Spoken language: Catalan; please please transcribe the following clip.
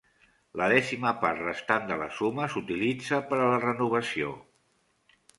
La dècima part restant de la suma s'utilitza per a la renovació.